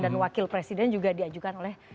dan wakil presiden juga diajukan oleh